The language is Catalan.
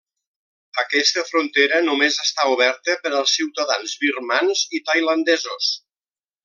Aquesta frontera només està oberta per als ciutadans birmans i tailandesos.